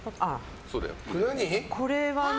これはね